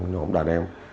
nhóm đàn em